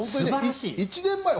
１年前は